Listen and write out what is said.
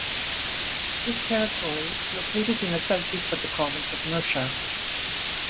This territory is located in the southeast of the province of Murcia.